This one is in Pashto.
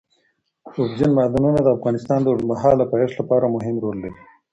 اوبزین معدنونه د افغانستان د اوږدمهاله پایښت لپاره مهم رول لري.